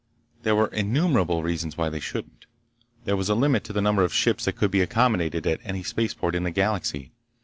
There were innumerable reasons why they shouldn't. There was a limit to the number of ships that could be accommodated at any spaceport in the galaxy.